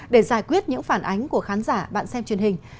để giải quyết những phản ánh của khán giả bạn xem truyền hình